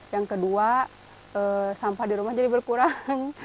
yang kedua sampah di rumah jadi berkurang